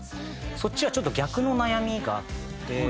そっちはちょっと逆の悩みがあって。